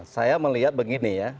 saya melihat begini ya